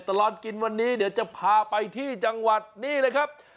ตลอดกินวันนี้เดี๋ยวจะพาไปที่จังหวัดนี่เลยครับ